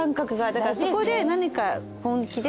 だからそこで何か本気で。